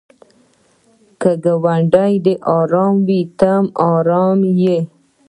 که ګاونډی ارام وي ته ارام یې.